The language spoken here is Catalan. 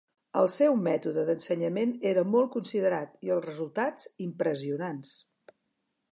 El seu mètode d'ensenyament era molt considerat i els resultats, impressionants.